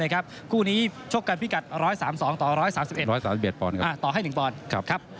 กู้นี้ชกกันพิกัด๑๓๒ต่อ๑๓๑ต่อให้๑ปอนด์